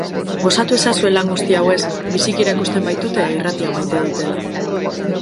Gozatu ezazue lan guzti hauez, biziki erakusten baitute irratia maite dutela.